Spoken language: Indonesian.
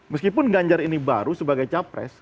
meskipun ganjar ini baru sebagai capres